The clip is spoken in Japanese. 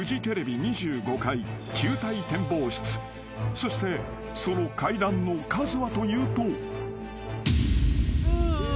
［そしてその階段の数はというと］